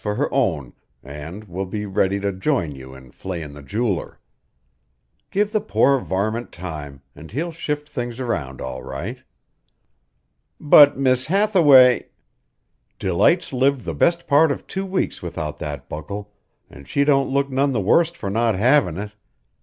for her own an' will be ready to join you in flayin' the jeweler. Give the poor varmint time, an' he'll shift things round all right." "But Miss Hathaway " "Delight's lived the best part of two weeks without that buckle, an' she don't look none the worse for not havin' it.